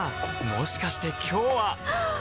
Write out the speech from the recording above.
もしかして今日ははっ！